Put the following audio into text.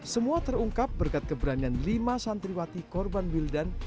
semua terungkap berkat keberanian lima santriwati korban wildan